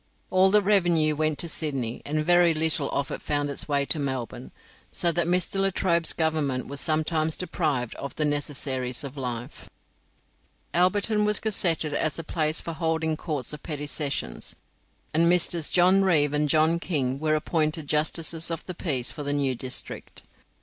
All the revenue went to Sydney, and very little of it found its way to Melbourne, so that Mr. Latrobe's Government was sometimes deprived of the necessaries of life. Alberton was gazetted as a place for holding Courts of Petty Sessions, and Messrs. John Reeve and John King were appointed Justices of the Peace for the new district.